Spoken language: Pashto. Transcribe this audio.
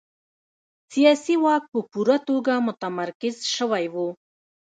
سیاسي واک په پوره توګه متمرکز شوی و.